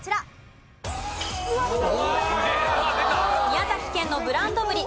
宮崎県のブランドぶり。